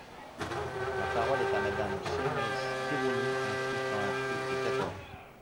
La parole est à Madame Chaynesse Khirouni, inscrite sur l’article quatorze.